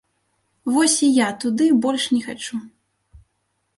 Вось і я туды больш не хачу.